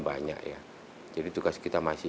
banyak ya jadi tugas kita masih